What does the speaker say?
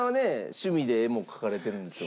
趣味で絵も描かれてるんですよ。